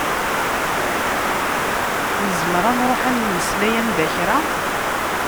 Nezmer ad nruḥ ad nmeslay anda kra?